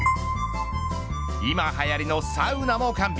今はやりのサウナも完備。